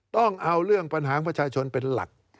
ต้องเอาเรื่องปัญหาของประชาชนเป็นหลัก